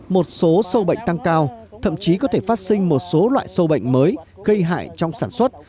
một số sâu bệnh tăng cao thậm chí có thể phát sinh một số loại sâu bệnh mới gây hại trong sản xuất